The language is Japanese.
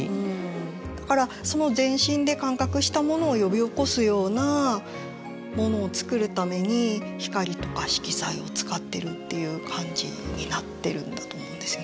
だからその全身で感覚したものを呼び起こすようなものを作るために光とか色彩を使ってるっていう感じになってるんだと思うんですよね。